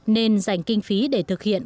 nên dành kinh phí để thực hiện